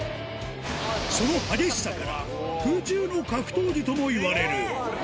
その激しさから、空中の格闘技ともいわれる。